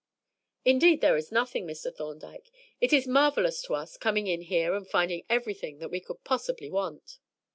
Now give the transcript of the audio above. "Indeed, there is nothing, Mr. Thorndyke. It is marvelous to us coming in here and finding everything that we can possibly want."